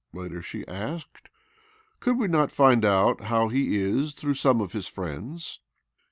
later she asked . "Could we not find out how he is through some of his friends?